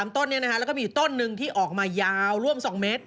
ต้นแล้วก็มีอยู่ต้นหนึ่งที่ออกมายาวร่วม๒เมตร